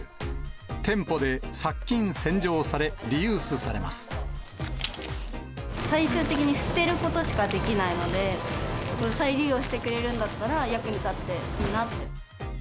店舗で殺菌・洗浄され、リユース最終的に捨てることしかできないので、再利用してくれるんだったら、役に立っていいなと。